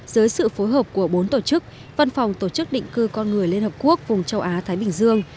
dưới sự phối hợp của bốn tổ chức văn phòng tổ chức định cư con người liên hợp quốc vùng châu á thái bình dương